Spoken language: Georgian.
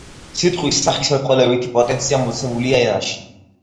სიტყვის სახისმეტყველებითი პოტენცია მოცემულია ენაში,